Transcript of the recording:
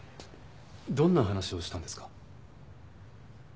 どんな話をしたんですか？